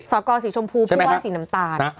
กอสีชมพูผู้ว่าสีน้ำตาล